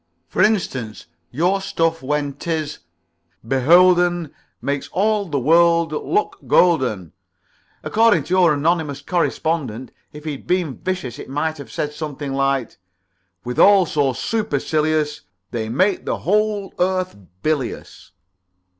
For instance, your stuff when 'tis 'beholden Makes all the world look golden,' according to your anonymous correspondent. If he'd been vicious he might have said something like this: ' withal so supercilious They make the whole earth bilious.'"